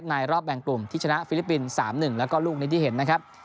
รอบแบ่งกลุ่มที่ชนะฟิลิปปินส์๓๑แล้วก็ลูกนี้ที่เห็นนะครับ